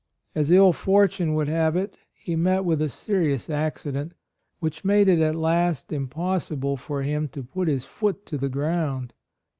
As ill fortune would have it, he met with a serious accident, which made it at last impossible for him to put his foot to the 118 .4 ROYAL SON ground.